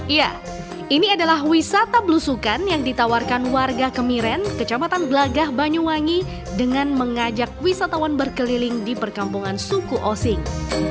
iya ini adalah wisata belusukan yang ditawarkan warga kemiren kecamatan gelagah banyuwangi dengan mengajak wisatawan berkeliling di perkampungan suku osing